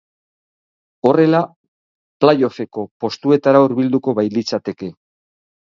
Horrela, play-offeko postuetara hurbilduko bailitzateke.